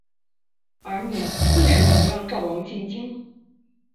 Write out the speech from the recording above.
而你为甚么不让赵王进京？